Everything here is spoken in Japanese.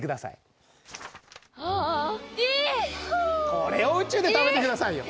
これを宇宙で食べてくださいよ。